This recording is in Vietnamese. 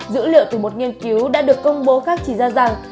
dữ liệu từ một nghiên cứu đã được công bố khác chỉ ra rằng